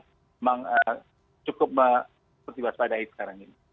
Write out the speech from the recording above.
memang cukup mempertibas padai sekarang ini